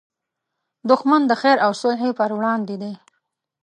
دښمن د خیر او صلحې پر وړاندې دی